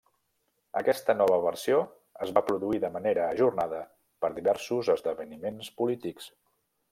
Aquesta nova versió es va produir de manera ajornada per diversos esdeveniments polítics.